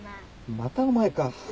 またお前か。